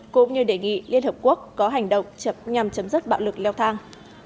cũng như đề nghị liên hợp quốc có hành động chập nhằm chấm dứt bạo lực leo thang